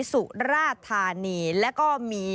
สุราธานีแล้วก็มี